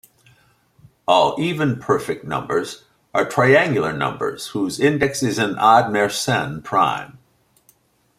All even perfect numbers are triangular numbers whose index is an odd Mersenne prime.